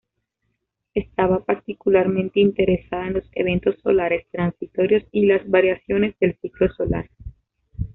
Estaba particularmente interesada en los eventos solares transitorios y las variaciones del ciclo solar.